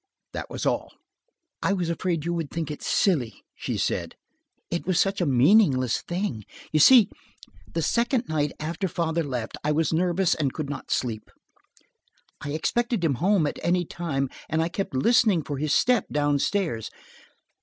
That was all. "I was afraid you would think it silly," she said. "It was such a meaningless thing. You see, the second night after father left, I was nervous and could not sleep. I expected him home at any time and I kept listening for his step down stairs.